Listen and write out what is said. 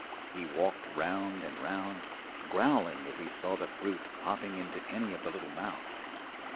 He walked round and round, growling if he saw the fruit popping into any of the little mouths.